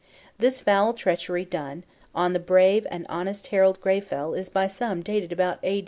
This foul treachery done on the brave and honest Harald Greyfell is by some dated about A.